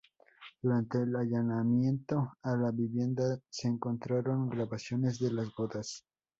Durante el allanamiento a la vivienda se encontraron grabaciones de las bodas.